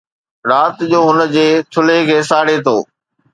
رات جو هن جي ٿلهي کي ساڙي ٿو